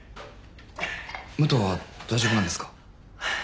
武藤は大丈夫なんですか？